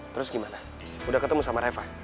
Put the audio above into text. terus gimana udah ketemu sama reva